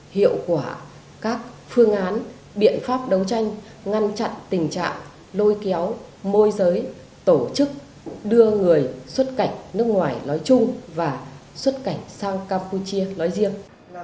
hiệu quả các phương án biện pháp đấu tranh ngăn chặn tình trạng lôi kéo môi giới tổ chức đưa người xuất cảnh nước ngoài nói chung và xuất cảnh sang campuchia nói riêng